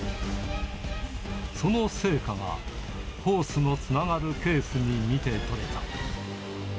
その成果がホースのつながるケースに見て取れた。